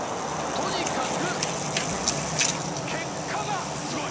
とにかく結果がスゴい！